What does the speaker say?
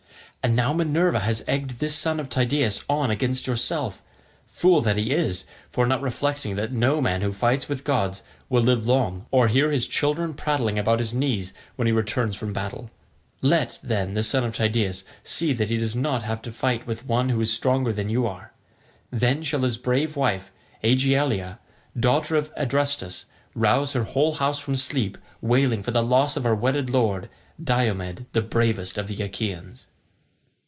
And now Minerva has egged this son of Tydeus on against yourself, fool that he is for not reflecting that no man who fights with gods will live long or hear his children prattling about his knees when he returns from battle. Let, then, the son of Tydeus see that he does not have to fight with one who is stronger than you are. Then shall his brave wife Aegialeia, daughter of Adrestus, rouse her whole house from sleep, wailing for the loss of her wedded lord, Diomed the bravest of the Achaeans."